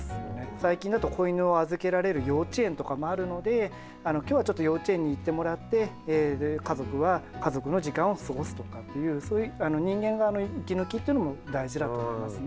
最近だと子犬を預けられる幼稚園とかもあるので今日はちょっと幼稚園に行ってもらって家族は家族の時間を過ごすとかっていうそういう人間側の息抜きっていうのも大事だと思いますね。